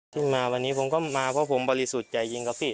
ที่มาวันนี้ผมก็มาเพราะผมบริสุทธิ์ใจจริงครับพี่